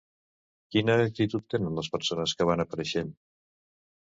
Quina actitud tenen les persones que van apareixent?